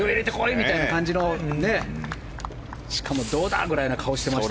みたいな感じのしかも、どうだ！ぐらいの顔をしていました。